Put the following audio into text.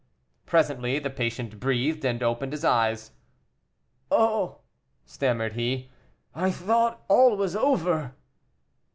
Presently the patient breathed, and opened his eyes. "Oh!" stammered he, "I thought all was over."